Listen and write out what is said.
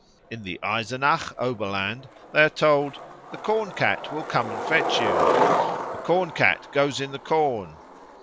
In the Eisenach Oberland they are told "the Corn cat will come and fetch you," "the Corn cat goes in the corn."